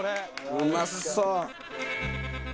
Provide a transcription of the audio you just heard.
うまそう！